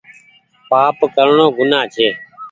پآپ ڪرڻو گناه ڇي